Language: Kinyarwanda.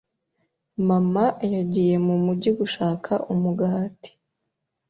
Mama yagiye mu mujyi gushaka umugati.